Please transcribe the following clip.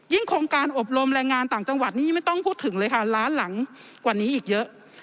โครงการอบรมแรงงานต่างจังหวัดนี่ไม่ต้องพูดถึงเลยค่ะล้านหลังกว่านี้อีกเยอะ